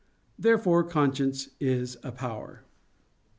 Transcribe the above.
Therefore conscience is a power.